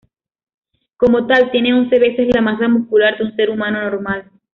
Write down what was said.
Como tal, tiene once veces la masa muscular de un ser humano normal.